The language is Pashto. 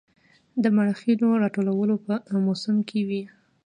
د مرخیړیو راټولول په موسم کې وي